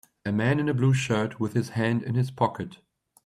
A man in a blue shirt with his hand in his pocket.